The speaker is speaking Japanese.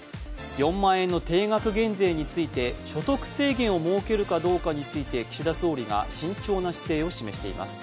４万円の定額減税について、所得制限を設けるかどうか、岸田総理が慎重な姿勢を示しています。